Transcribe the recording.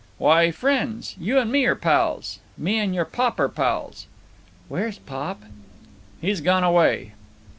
"Why, friends. You and me are pals. Me and your pop are pals." "Where's pop?" "He's gone away."